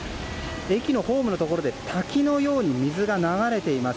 駅のホームのところで滝のように水が流れています。